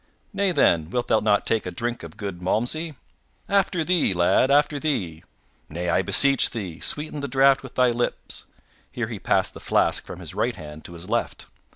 Nay then, wilt thou not take a drink of good Malmsey? After thee, lad, after thee. Nay, I beseech thee, sweeten the draught with thy lips (here he passed the flask from his right hand to his left).